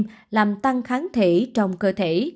sốt có thể làm tăng kháng thể trong cơ thể